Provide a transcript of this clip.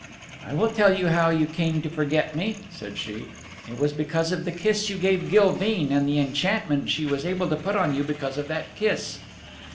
"I will tell you how you came to forget me," said she, "it was because of the kiss you gave Gilveen, and the enchantment she was able to put on you because of that kiss."